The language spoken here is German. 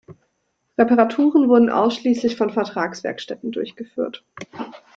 Reparaturen wurden ausschließlich von Vertragswerkstätten durchgeführt.